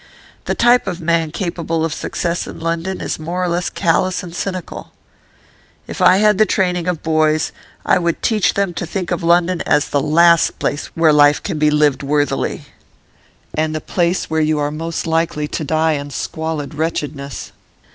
The type of man capable of success in London is more or less callous and cynical. If I had the training of boys, I would teach them to think of London as the last place where life can be lived worthily.' 'And the place where you are most likely to die in squalid wretchedness.